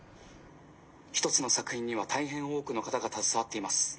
一つの作品には大変多くの方が携わっています。